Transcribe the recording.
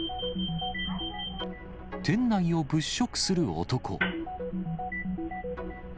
店内を物色する男。